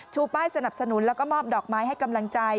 ป้ายสนับสนุนแล้วก็มอบดอกไม้ให้กำลังใจ